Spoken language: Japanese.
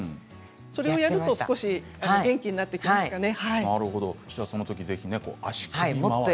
それをやると少し元気になるんですね。